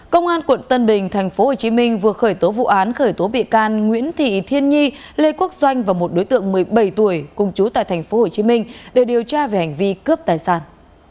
công an quận tân bình tp hcm vừa khởi tố vụ án khởi tố bị can nguyễn thị thiên nhi lê quốc doanh và một đối tượng một mươi bảy tuổi cùng chú tại tp hcm để điều tra về hành vi cướp tài sản